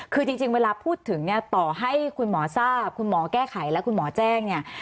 คือจริงเวลาพูดถึงเนี่ยต่อให้คุณหมอทราบคุณหมอแก้ไขและคุณหมอแจ้งเนี่ย